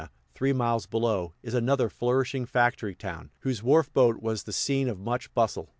three miles below, is another flourishing factory town, whose wharf boat was the scene of much bustle.